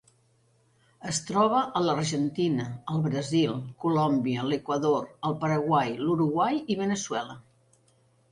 Es troba a l'Argentina, el Brasil, Colòmbia, l'Equador, el Paraguai, l'Uruguai i Veneçuela.